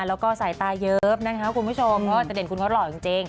แล้วก็สายตาเยิบนะคะคุณผู้ชมเพราะว่าจะเด่นคุณเขาหล่อจริง